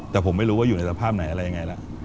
แต่ผมไม่รู้ว่าอยู่ในสภาพไหนอะไรยังไงล่ะ